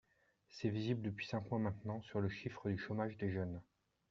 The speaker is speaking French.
C’est visible depuis cinq mois maintenant sur le chiffre du chômage des jeunes.